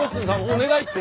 お願いって？